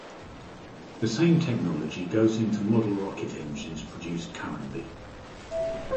The same technology goes into model rocket engines produced currently.